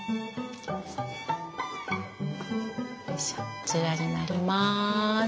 こちらになります。